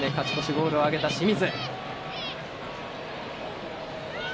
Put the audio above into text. ゴールを挙げた清水。